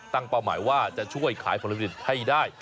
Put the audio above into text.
ตั้งเป้าหมายว่าจะช่วยขายผลผลิตศิลป์ให้ได้